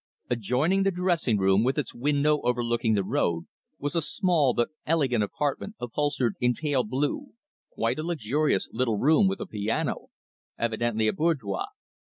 Adjoining the dressing room, with its window overlooking the road, was a small but elegant apartment upholstered in pale blue, quite a luxurious little room with a piano; evidently a boudoir.